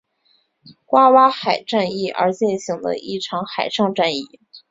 爪哇海战役而进行的一场海上战役。